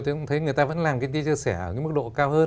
tôi cũng thấy người ta vẫn làm kinh tế chia sẻ ở cái mức độ cao